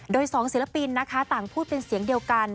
โดยสองศิลปินนะคะต่างพูดเป็นเสียงเดียวกัน